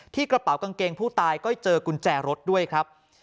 กระเป๋ากางเกงผู้ตายก็เจอกุญแจรถด้วยครับ